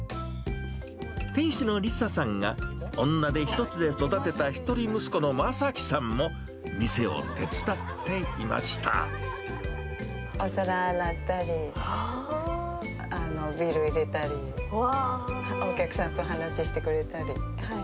店主のりささんが女手一つで育てた一人息子の正樹さんも店を手伝お皿洗ったり、ビール入れたり、お客さんと話ししてくれたり。